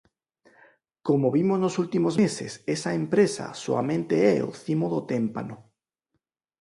Como vimos nos últimos meses, esa empresa soamente é o cimo do témpano.